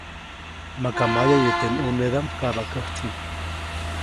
Maka mayaʼye teʼ ʼnunedaʼm kaʼbaʼkäjtsi.